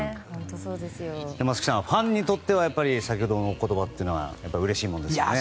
松木さん、ファンにとっては先ほどの言葉はうれしいものですよね。